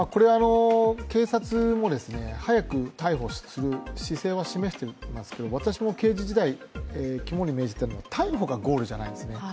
警察も早く逮捕する姿勢は示していますけれども、私も刑事時代、肝に銘じているのは逮捕がゴールじゃないんですね。